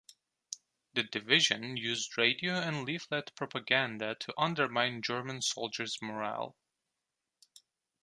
The Division used radio and leaflet propaganda to undermine German soldiers' morale.